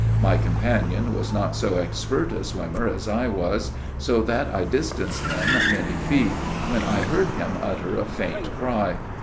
My companion was not so expert a swimmer as I was, so that I distanced him many feet, when I heard him utter a faint cry.